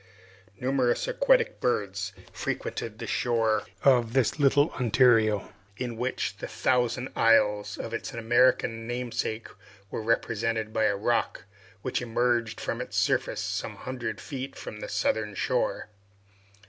Numerous aquatic birds frequented the shores of this little Ontario, in which the thousand isles of its American namesake were represented by a rock which emerged from its surface, some hundred feet from the southern shore.